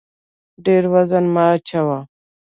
ډېر وزن مه اوچتوه